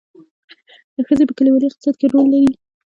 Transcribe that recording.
ښځې په کلیوالي اقتصاد کې رول لري